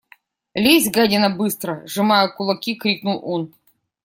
– Лезь, гадина, быстро! – сжимая кулаки, крикнул он.